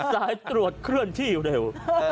สายตรวจเคลื่อนที่อยู่เดี๋ยว